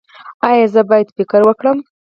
ایا زه باید فکر وکړم؟